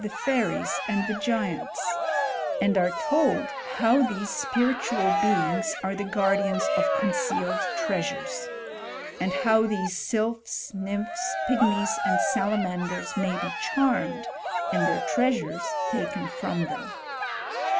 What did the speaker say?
157 the history of die fairies and the giants ; and are told how these spiritual beings are the guardians of con ceited treasures ; and how these sylphs, nymphs, pig lodes, and salamanders, may be charmed, and their tresLsures taken from them.